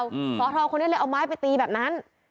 สอทอคนนี้เลยเอาไม้ไปตีแบบนั้น